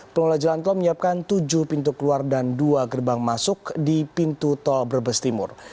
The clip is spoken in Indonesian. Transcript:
pengelola jalan tol menyiapkan tujuh pintu keluar dan dua gerbang masuk di pintu tol brebes timur